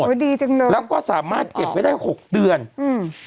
ดีจังเลยแล้วก็สามารถเก็บไว้ได้หกเดือนอืม